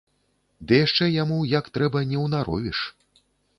Ды яшчэ яму як трэба не ўнаровіш.